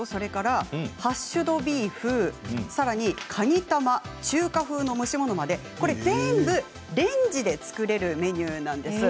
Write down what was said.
ハッシュドビーフさらに、かにたま中華風の蒸し物まで全部レンジで作れるメニューなんです。